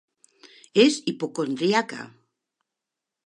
És hipocondríaca.